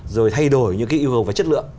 rồi thay đổi những cái yêu cầu về chất lượng